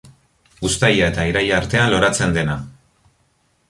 Uztaila eta iraila artean loratzen dena.